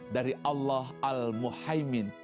dari allah al muhaimin